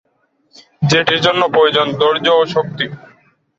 যেটির জন্য প্রয়োজন ধৈর্য, শক্তি।